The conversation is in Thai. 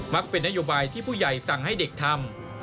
ักเป็นนโยบายที่ผู้ใหญ่สั่งให้เด็กทำ